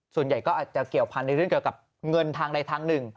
ส่วนใหญ่ก็อาจจะเกี่ยวพันธุ์ในเรื่องเกี่ยวกับเงินทางใดทางหนึ่ง